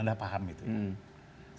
anda paham itu ya